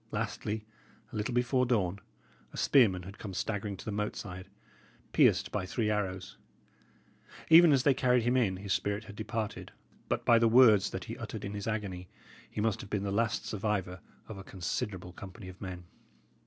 Lastly, a little before dawn, a spearman had come staggering to the moat side, pierced by three arrows; even as they carried him in, his spirit had departed; but by the words that he uttered in his agony, he must have been the last survivor of a considerable company of men.